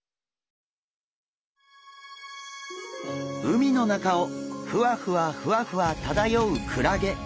海の中をふわふわふわふわ漂うクラゲ。